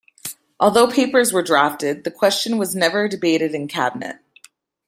Although papers were drafted, the question was never debated in Cabinet.